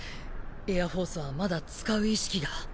エアフォースはまだ使う意識が。